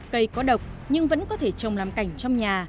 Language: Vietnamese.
cây có độc nhưng vẫn có thể trồng làm cảnh trong nhà